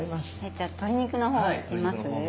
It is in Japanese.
じゃあ鶏肉のほういってみます？